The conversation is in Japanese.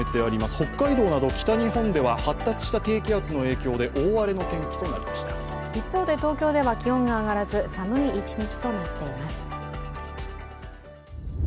北海道など北日本では発達した低気圧の影響で一方で東京では気温が上がらず、寒い一日となっています。